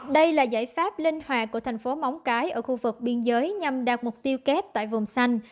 đây là giải pháp linh hoạt của thành phố móng cái ở khu vực biên giới nhằm đạt mục tiêu kép tại vùng xanh